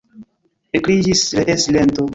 Ekreĝis ree silento.